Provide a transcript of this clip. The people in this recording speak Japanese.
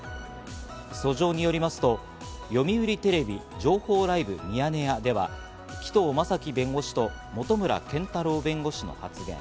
訴状によりますと、読売テレビ『情報ライブミヤネ屋』では、紀藤正樹弁護士と本村健太郎弁護士の発言。